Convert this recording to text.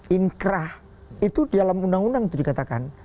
inkrah itu dalam undang undang itu dikatakan